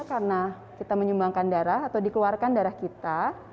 karena kita menyumbangkan darah atau dikeluarkan darah kita